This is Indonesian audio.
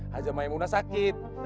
haja maimunah sakit